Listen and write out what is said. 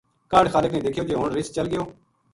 کاہڈ خالق نے دیکھیو جے ہن رچھ چل گیو